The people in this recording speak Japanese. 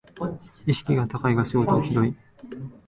意識高いが仕事ひどい